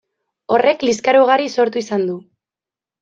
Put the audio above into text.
Horrek liskar ugari sortu izan du.